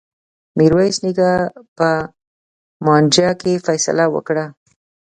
میرويس نیکه په مانجه کي فيصله وکړه.